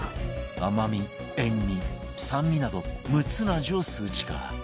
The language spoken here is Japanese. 甘味塩味酸味など６つの味を数値化